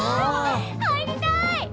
入りたい！